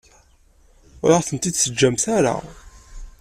Ur aɣ-ten-id-teǧǧamt ara.